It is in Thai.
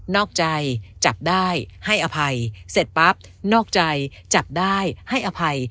อกใจจับได้ให้อภัยเสร็จปั๊บนอกใจจับได้ให้อภัย